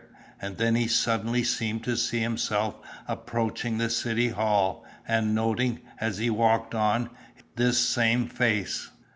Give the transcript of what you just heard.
And then he suddenly seemed to see himself approaching the City Hall, and noting, as he walked on, this same face.